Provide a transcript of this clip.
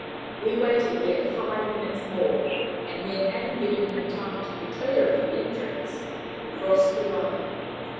We waited yet five minutes more, and then, having given him time to get clear of the entrance, we crossed the road.